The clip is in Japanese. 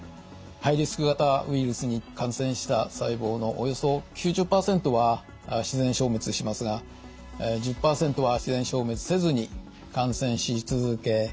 ハイリスク型ウイルスに感染した細胞のおよそ９０％は自然消滅しますが１０％は自然消滅せずに感染し続け